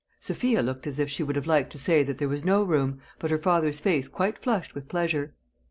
Sophia looked as if she would have liked to say that there was no room, but her father's face quite flushed with pleasure.